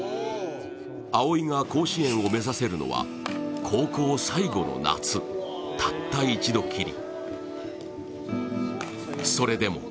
蒼生が甲子園を目指せるのは高校最後の夏たった一度きり。